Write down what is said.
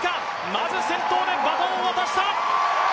まず先頭でバトンを渡した！